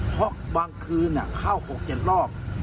เพราะบางคืนเข้า๖๗รอบ